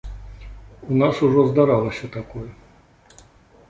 У нас ужо здаралася такое.